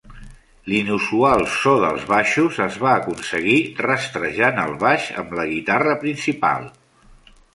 L'inusual so dels baixos es va aconseguir rastrejant el baix amb la guitarra principal.